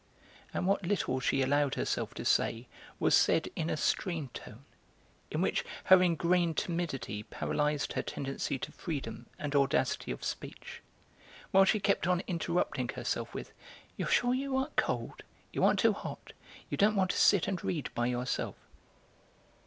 And what little she allowed herself to say was said in a strained tone, in which her ingrained timidity paralysed her tendency to freedom and audacity of speech; while she kept on interrupting herself with: "You're sure you aren't cold? You aren't too hot? You don't want to sit and read by yourself?...